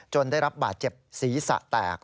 ได้รับบาดเจ็บศีรษะแตก